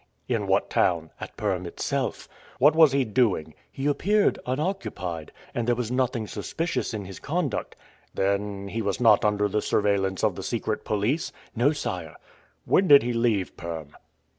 "In what town?" "At Perm itself." "What was he doing?" "He appeared unoccupied, and there was nothing suspicious in his conduct." "Then he was not under the surveillance of the secret police?" "No, sire." "When did he leave Perm?"